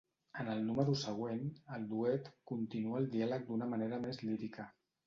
En el número següent, un duet, continua el diàleg d'una manera més lírica.